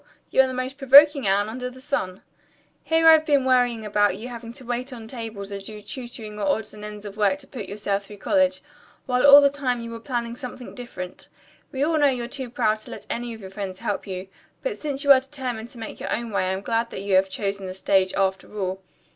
You are the most provoking Anne under the sun. Here I've been worrying about you having to wait on table or do tutoring and odds and ends of work to put yourself through college, while all the time you were planning something different. We all know you're too proud to let any of your friends help you, but since you are determined to make your own way I'm glad that you have chosen the stage, after all."